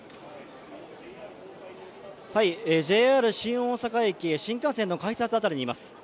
ＪＲ新大阪駅の新幹線の改札辺りにいます。